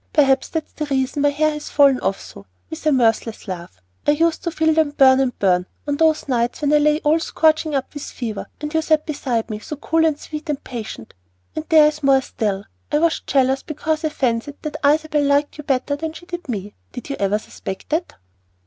Perhaps that's the reason my hair has fallen off so," with a mirthless laugh. "I used to feel them burn and burn, on those nights when I lay all scorching up with fever, and you sat beside me so cool and sweet and patient. And there is more still. I was jealous because I fancied that Isabel liked you better than she did me. Did you ever suspect that?"